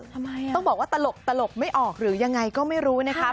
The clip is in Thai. ทำไมต้องบอกว่าตลกไม่ออกหรือยังไงก็ไม่รู้นะครับ